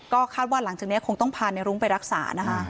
ก็คาดว่าหลังจากนี้คงต้องพาในรุ้งไปรักษานะคะ